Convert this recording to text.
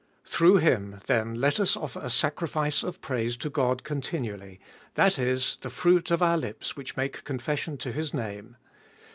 Through him then let us offer a sacrifice of praise to God con tinually, that is, the fruit of lips which make confession to his name.